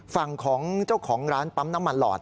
ฝั่งของเจ้าของร้านปั๊มน้ำมันหลอด